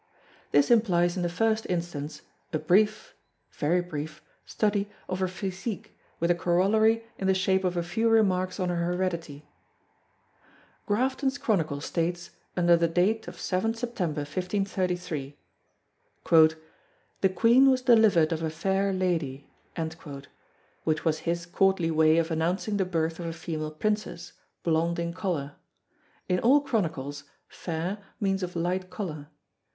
This implies in the first instance a brief (very brief) study of her physique with a corollary in the shape of a few remarks on her heredity: Grafton's Chronicle states, under the date of 7 September 1533, "the Queene was delivered of a fayre Lady" which was his Courtly way of announcing the birth of a female princess, blond in colour. In all chronicles "fayre" means of light colour.